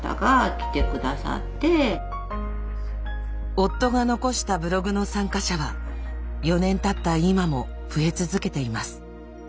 夫が残したブログの参加者は４年たった今も増え続けています。